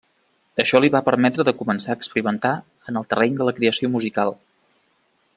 Això li va permetre de començar a experimentar en el terreny de la creació musical.